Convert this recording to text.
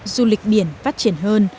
du lịch biển phát triển hơn